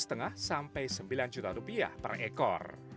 setengah sampai sembilan juta rupiah per ekor